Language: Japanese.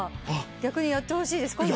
逆にやってほしいです。